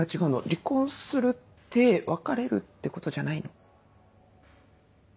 離婚するって別れるってことじゃないの？